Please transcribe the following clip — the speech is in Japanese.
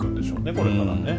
これからね。